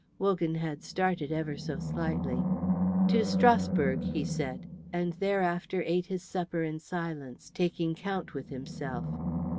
Wogan had started ever so slightly. "To Strasbourg," he said, and thereafter ate his supper in silence, taking count with himself.